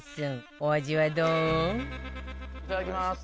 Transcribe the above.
いただきます。